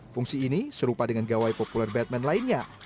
fungsi ini serupa dengan gawai populer batman lainnya